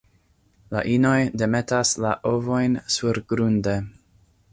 La inoj demetas la ovojn surgrunde.